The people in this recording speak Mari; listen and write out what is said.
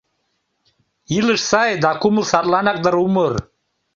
Илыш сай да кумыл садланак дыр умыр.